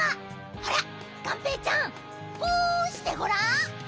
ほらがんぺーちゃんポンしてごらん。